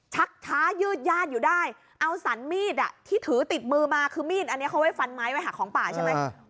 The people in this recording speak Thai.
ชักช้ายืดญาติอยู่ได้เอาสรรมีดที่ถือติดมือมาคือมีดอันนี้เขาไว้ฟันไม้ไว้หาของป่าใช่ไหม